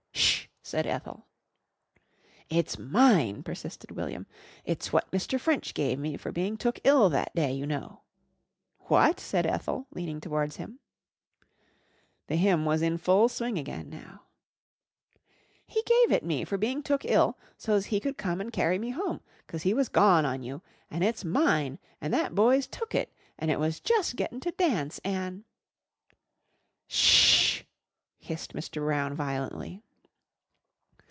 "Sh!" said Ethel. "It's mine," persisted William. "It's what Mr. French give me for being took ill that day, you know." "What?" said Ethel, leaning towards him. The hymn was in full swing again now. "He gave it me for being took ill so's he could come and carry me home 'cause he was gone on you an' it's mine an' that boy's took it an' it was jus' gettin' to dance an' " "Sh!" hissed Mr. Brown violently.